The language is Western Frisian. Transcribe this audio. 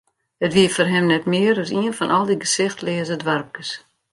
It wie foar him net mear as ien fan al dy gesichtleaze doarpkes.